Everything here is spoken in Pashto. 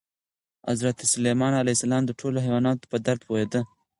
حضرت سلیمان علیه السلام د ټولو حیواناتو په درد پوهېده.